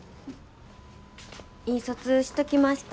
印刷しときました。